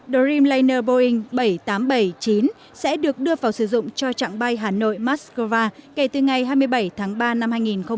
dreamliner boeing bảy trăm tám mươi bảy chín sẽ được đưa vào sử dụng cho trạng bay hà nội moscowa kể từ ngày hai mươi bảy tháng ba năm hai nghìn một mươi tám